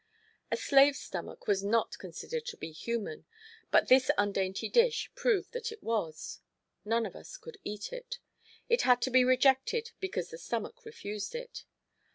A slave's stomach was considered not to be human, but this undainty dish proved that it was. None of us could eat it. It had to be rejected because the stomach refused it.